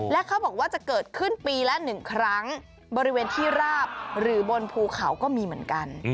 และเขาบอกว่าจะเกิดขึ้นปีละ๑ครั้งบริเวณที่ราบหรือบนภูเขาก็มีเหมือนกัน